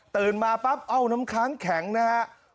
ตื่นมาปั๊บเอาน้ำค้างแข็งนะครับ